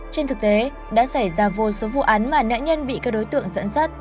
trên thực tế đã xảy ra vô số vụ án mà nạn nhân bị các đối tượng dẫn dắt